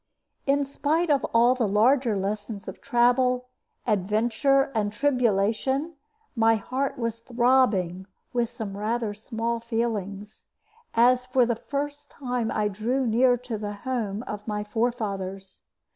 In spite of all the larger lessons of travel, adventure, and tribulation, my heart was throbbing with some rather small feelings, as for the first time I drew near to the home of my forefathers.